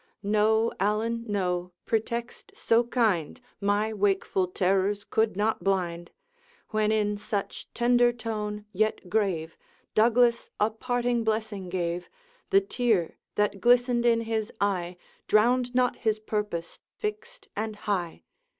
'No, Allan, no' Pretext so kind My wakeful terrors could not blind. When in such tender tone, yet grave, Douglas a parting blessing gave, The tear that glistened in his eye Drowned not his purpose fixed and high.